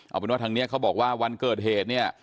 เอาเป็นว่าทางนี้เขาบอกว่าวันเกิดเหตุเนี่ย